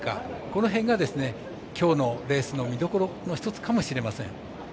この辺がきょうのレースの見どころの一つかもしれません。